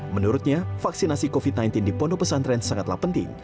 menurutnya vaksinasi covid sembilan belas di pondok pesantren sangatlah penting